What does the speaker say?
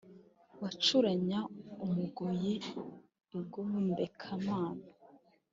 wacuranya umugoyi i gombeka-mana,